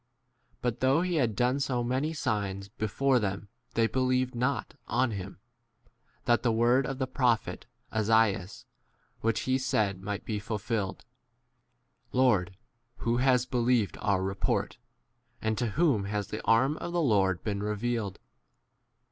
But though he had done so many signs before them they believed not on 7 him, 88 that the word of the prophet Esaias which he said might be fulfilled, Lord, who has believed our report ? and to whom has the arm of the Lord been re 39 vealed